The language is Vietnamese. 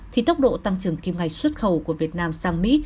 thì tốc độ tăng trưởng kim ngạch xuất khẩu của việt nam sang mỹ